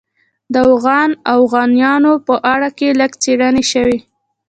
د اوغان او اوغانیانو په باره کې لږ څېړنې شوې.